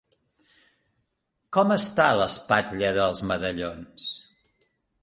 Com està l'espatlla dels medallons?